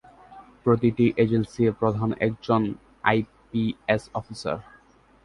প্রতিটি এজেন্সির প্রধান একজন আইপিএস অফিসার।